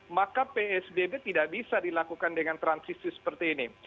maka psbb tidak bisa dilakukan dengan transisi seperti ini